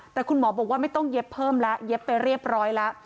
แต่คุณหมอบอกว่าไม่ต้องเย็บเพิ่มแล้วเย็บไปเรียบร้อยแล้ว